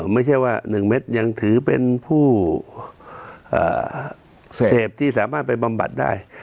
ไม่ใช่ว่า๑เม็ดยังถือเป็นผู้เสพที่สามารถไปบำบัดได้